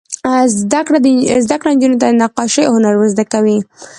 زده کړه نجونو ته د نقاشۍ هنر ور زده کوي.